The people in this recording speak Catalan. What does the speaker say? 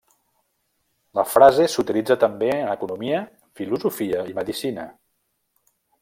La frase s'utilitza també en economia, filosofia i medicina.